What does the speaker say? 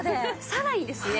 さらにですね